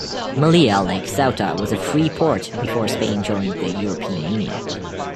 Melilla, like Ceuta, was a free port before Spain joined the European Union.